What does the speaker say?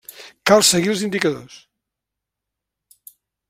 Cal seguir els indicadors.